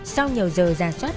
sau nhiều giờ giả soát